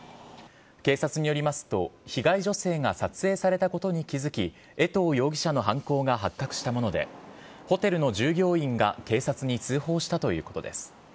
警察によりますと、被害女性が撮影されたことに気付き、衛藤容疑者の犯行が発覚したもので、ホテルの従業員が警察に通報したということです。